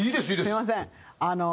すみません。